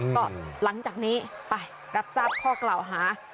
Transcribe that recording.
ก็หลังจากนี้ไปรับทราบข้อกล่าวหา